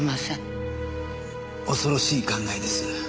恐ろしい考えです。